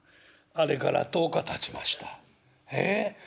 あれから１０日たちました。